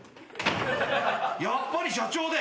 「やっぱり社長で」